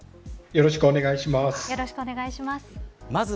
よろしくお願いします。